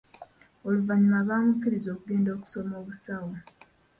Oluvanyuma baamukiriza okugenda okusoma obusawo.